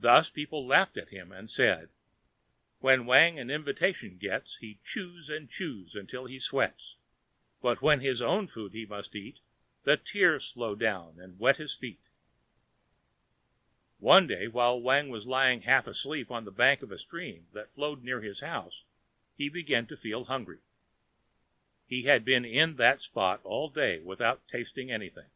Thus people laughed at him and said: "When Wang an invitation gets, He chews and chews until he sweats, But, when his own food he must eat. The tears flow down and wet his feet." One day while Wang was lying half asleep on the bank of a stream that flowed near his house he began to feel hungry. He had been in that spot all day without tasting anything.